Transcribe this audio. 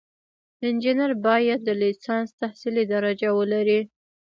انجینر باید د لیسانس تحصیلي درجه ولري.